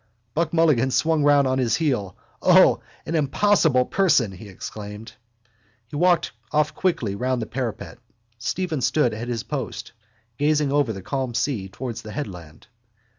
Buck Mulligan swung round on his heel. —O, an impossible person! he exclaimed. He walked off quickly round the parapet. Stephen stood at his post, gazing over the calm sea towards the headland.